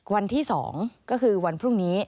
วันที่๒ก็คือวันพรุ่งนี้